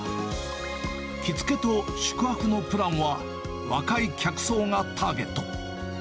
着付けと宿泊のプランは、若い客層がターゲット。